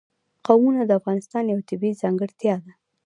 قومونه د افغانستان یوه طبیعي ځانګړتیا ده.